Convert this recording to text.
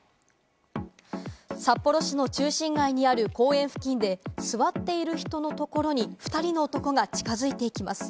札幌市の中心街にある公園付近で座っている人のところに２人の男が近づいていきます。